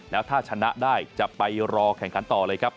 แล้วถ้าชนะได้จะไปรอแข่งขันต่อเลยครับ